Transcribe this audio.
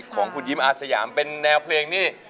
ของคุณยิ้มอาสยามเป็นแนวเพลงที่